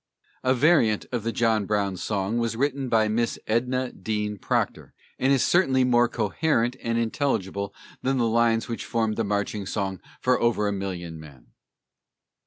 A variant of the John Brown song was written by Miss Edna Dean Proctor, and is certainly more coherent and intelligible than the lines which formed a marching song for over a million men.